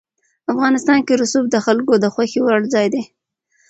افغانستان کې رسوب د خلکو د خوښې وړ ځای دی.